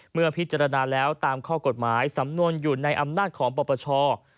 เมื่อพิจารณาแล้วตามข้อกฎหมายสำนวนอยู่ในอำนาจของปปช